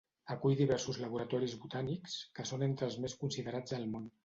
Acull diversos laboratoris botànics que són entre els més considerats al món.